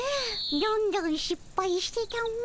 どんどんしっぱいしてたも。